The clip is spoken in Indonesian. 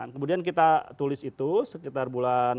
kemudian kita tulis itu sekitar bulan